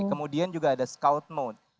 kemudian juga ada scout mode